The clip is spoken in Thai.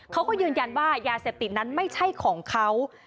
เขาก็ยืนยันว่ายาเสพติดนั้นไม่ใช่ของเขา